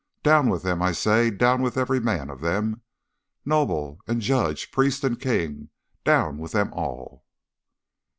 'Down with them, I say down with every man of them! Noble and judge, priest and king, down with them all!